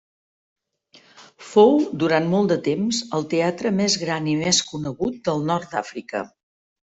Fou, durant molt de temps, el teatre més gran i més conegut del nord d'Àfrica.